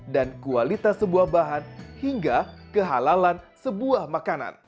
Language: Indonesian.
dan kualitas sebuah bahan hingga kehalalan sebuah makanan